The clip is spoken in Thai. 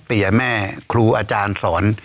เสียแม่ครูอาจารย์สอน